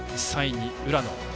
３位に浦野。